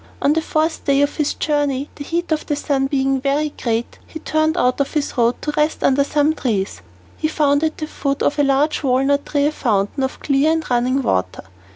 On the fourth day of his journey, the heat of the sun being very great, he turned out of his road to rest under some trees. He found at the foot of a large walnut tree a fountain of clear and running water.